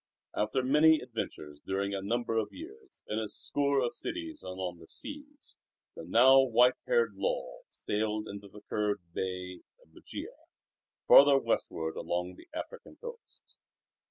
After many adventures during a number of years, in a score of cities and on the seas, the now white haired Lull sailed into the curved bay of Bugia farther westward along the African coast.